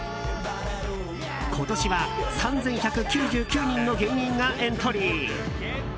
今年は３１９９人の芸人がエントリー。